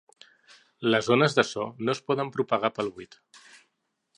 Les ones de so no es poden propagar pel buit.